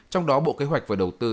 trong đó bộ kế hoạch và đầu tư